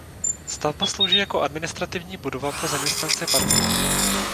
Stavba slouží jako administrativní budova pro zaměstnance parku.